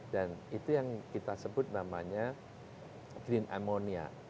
dan itu yang kita sebut namanya green ammonia